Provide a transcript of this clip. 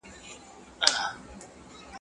خواري دي سي مکاري، چي هم جنگ کوي، هم ژاړي.